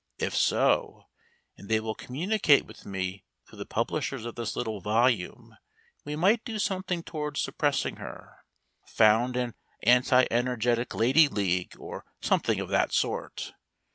If so, and they will communicate with me through the publishers of this little volume, we might do something towards suppressing her, found an Anti Energetic Lady League, or something of that sort.